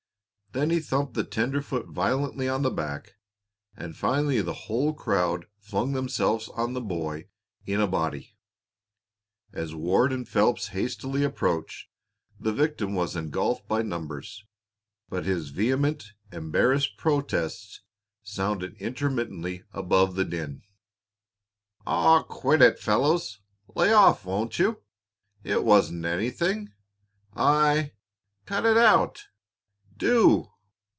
Then he thumped the tenderfoot violently on the back, and finally the whole crowd flung themselves on the boy in a body. As Ward and Phelps hastily approached, the victim was engulfed by numbers, but his vehement, embarrassed protests sounded intermittently above the din. "Aw, quit it, fellows! Lay off, won't you? It wasn't anything. I Cut it out do!"